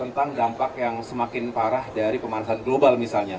tentang dampak yang semakin parah dari pemanasan global misalnya